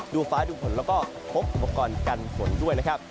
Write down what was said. ฟ้าดูฝนแล้วก็พบอุปกรณ์กันฝนด้วยนะครับ